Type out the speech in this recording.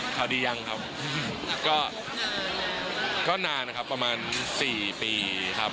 ข่าวดียังครับก็นานนะครับประมาณ๔ปีครับ